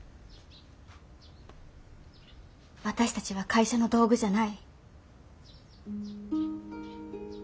私たちは会社の道具じゃない。